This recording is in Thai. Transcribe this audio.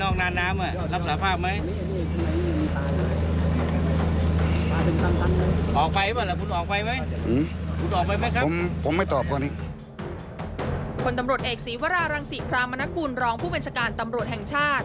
ตำรวจเอกศีวรารังศิพรามนกุลรองผู้บัญชาการตำรวจแห่งชาติ